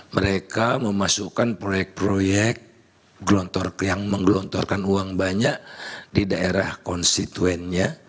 mereka memasukkan proyek proyek yang menggelontorkan uang banyak di daerah konstituennya